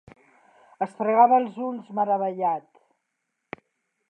Es fregava els ulls meravellat.